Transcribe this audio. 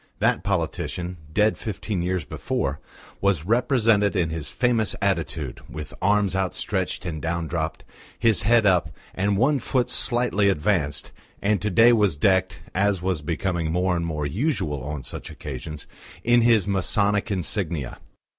That politician, dead fifteen years before, was represented in his famous attitude, with arms outstretched and down dropped, his head up and one foot slightly advanced, and to day was decked, as was becoming more and more usual on such occasions, in his Masonic insignia.